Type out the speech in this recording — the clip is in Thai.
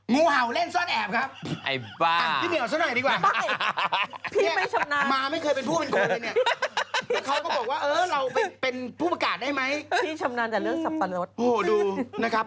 งูเห่าเล่นซ่อนแอบครับ